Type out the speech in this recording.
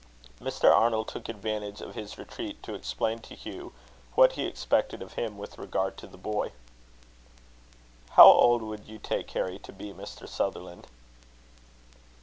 Mr. Arnold took advantage of his retreat to explain to Hugh what he expected of him with regard to the boy. "How old would you take Harry to be, Mr. Sutherland?"